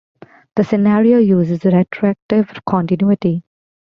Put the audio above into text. The scenario uses retroactive continuity.